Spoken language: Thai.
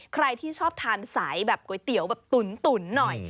ใครที่ชอบทานสายแบบก๋วยเตี๋ยวแบบตุ๋นหน่อย